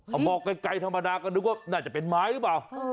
เอามองไกลธรรมดาก็นึกว่าน่าจะเป็นไม้หรือเปล่า